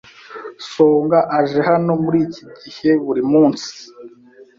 Songa aje hano muri iki gihe buri munsi.